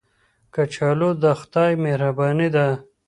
کچالو د خدای مهرباني ده